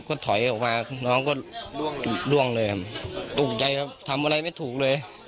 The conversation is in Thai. ก็ถอยออกมาน้องก็ล่วงเลยครับตกใจครับทำอะไรไม่ถูกเลย